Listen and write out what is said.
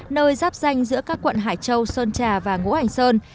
nơi giáp danh giữa các quận hải châu sơn trà và ngũ hành sơn